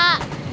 uang kecil apa